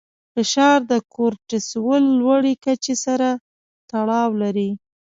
فشار د کورټیسول لوړې کچې سره تړاو لري.